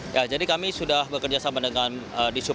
ya jadi kami sudah bekerja sama dengan dishub